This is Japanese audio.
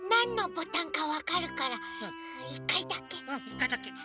１かいだけ。